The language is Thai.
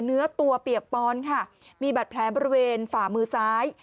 เนื้อตัวเปียกปอนค่ะมีบัตรแผลบริเวณฝ่ามือซ้าย